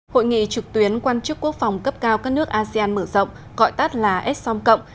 hội nghị trực tuyến quan chức quốc phòng cấp cao các nước asean mở rộng gọi tắt là s som cộng